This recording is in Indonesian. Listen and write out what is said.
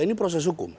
ini proses hukum